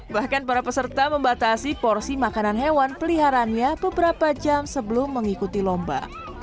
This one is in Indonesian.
bahkan para peserta membatasi porsi makanan hewan peliharaannya beberapa jam sebelum mengikuti lomba